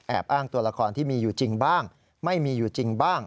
อ้างตัวละครที่มีอยู่จริงบ้างไม่มีอยู่จริงบ้าง